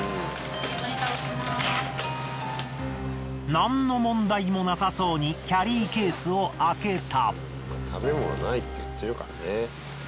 なんの問題もなさそうにキャリーケースを開けた。